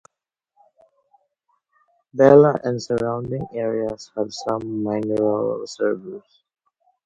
Bela and surrounding areas have some mineral reserves.